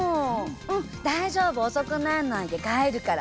うん大丈夫遅くなんないで帰るから。